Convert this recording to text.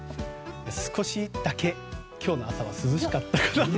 少しだけ今日の朝は涼しかったなって。